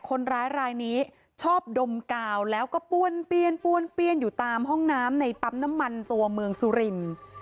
คนร้ายรายนี้ชอบดมกาวแล้วก็ป้วนเปี้ยนป้วนเปี้ยนอยู่ตามห้องน้ำในปั๊มน้ำมันตัวเมืองสุรินทร์